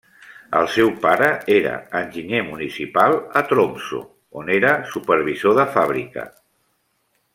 El seu pare era enginyer municipal a Tromsø on era supervisor de fàbrica.